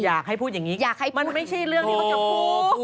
อยากให้พูดอย่างนี้มันไม่ใช่เรื่องที่เขาจะพูด